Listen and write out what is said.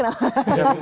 tidak nyaman ya